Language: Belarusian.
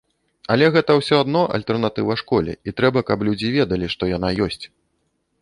Але гэта ўсё адно альтэрнатыва школе, і трэба, каб людзі ведалі, што яна ёсць.